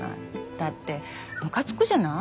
だってムカつくじゃない？